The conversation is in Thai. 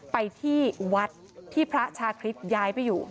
ไปที่วัดที่พระชาคริสต์ย้ายไปอยู่